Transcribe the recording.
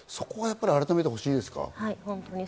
そこを改めてほしいですか？